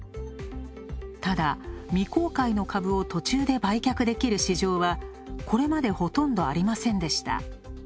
ただ、未公開の株を途中で売却できる市場はこれまでほとんどありませんでした。